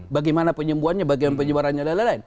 bagaimana penyembuhannya bagaimana penyebarannya dll